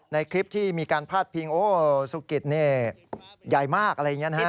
ในคลิปที่มีการพาดพิงโอ้สุกิตนี่ใหญ่มากอะไรอย่างนี้นะฮะ